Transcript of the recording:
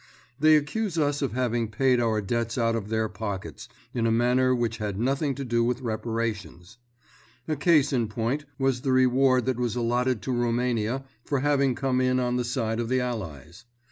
They accuse us of having paid our debts out of their pockets in a manner which had nothing to do with reparations. A case in point was the reward that was allotted to Roumania for having come in on the side of the Allies.